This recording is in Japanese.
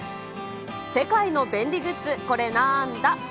世界の便利グッズコレなんだ？